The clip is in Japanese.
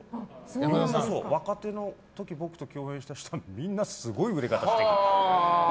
若手の時、僕と共演した人はすごい売れ方していく。